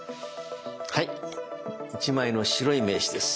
はい１枚の白い名刺です。